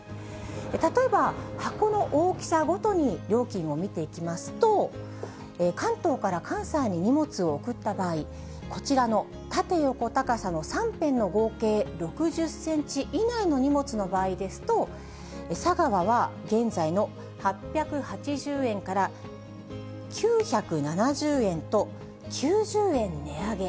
例えば箱の大きさごとに料金を見ていきますと、関東から関西に荷物を送った場合、こちらの縦、横、高さの３辺の合計６０センチ以内の荷物の場合ですと、佐川は現在の８８０円から９７０円と、９０円値上げ。